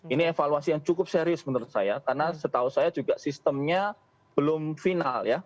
ini evaluasi yang cukup serius menurut saya karena setahu saya juga sistemnya belum final ya